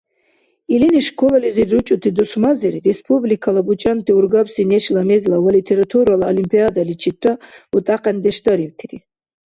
Илини школализир ручӀути дусмазир республикала бучӀанти-ургабси нешла мезла ва литературала олимпиадаличирра бутӀакьяндеш дарибтири.